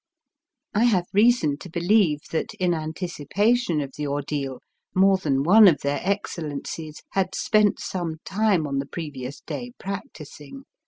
I have reason to believe that in antici pation of the ordeal more than one of their Excellencies had spent some time on the pre vious day practising.